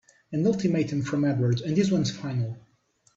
An ultimatum from Edward and this one's final!